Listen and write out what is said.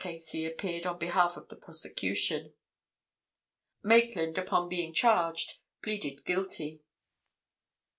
C., appeared on behalf of the prosecution. "Maitland, upon being charged, pleaded guilty.